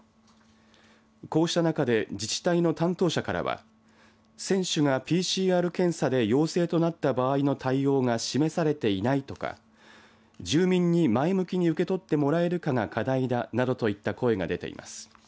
こうした中で自治体の担当者からは選手がＰＣＲ検査で陽性となった場合の対応が示されていないとか住民に前向きに受け取ってもらえるかが課題だなどといった声が出ています。